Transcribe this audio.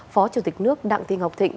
phó chủ tịch nước đặng thi ngọc thịnh